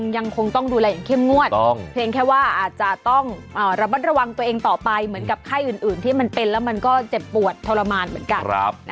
ยังคงต้องดูแลอย่างเข้มงวดเพียงแค่ว่าอาจจะต้องระมัดระวังตัวเองต่อไปเหมือนกับไข้อื่นที่มันเป็นแล้วมันก็เจ็บปวดทรมานเหมือนกัน